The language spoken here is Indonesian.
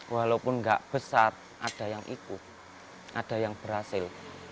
walaupun nggak besar ada yang ikut ada yang berhasil